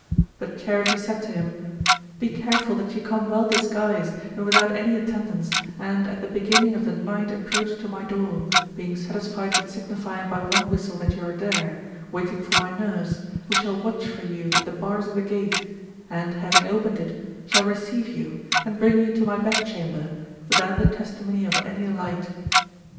But Charite said to him, * Be careful that you come well disguised, and without any attendants, and at the be ginning of the night approach to my door, being satisfied with signifying by one whistle that you are there, waiting for my nurse, who shall watch for you at the bars of the gate, and having opened it, shall receive you, and bring you to my bed chamber, without the testimony of any light.'